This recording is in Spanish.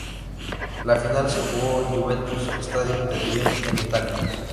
La final se jugó en el Juventus Stadium de Turín, en Italia.